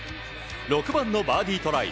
６番のバーディートライ。